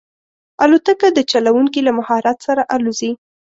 الوتکه د چلونکي له مهارت سره الوزي.